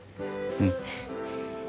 うん。